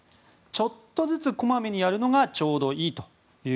「ちょっとずつこまめにやるのがちょうどいい」。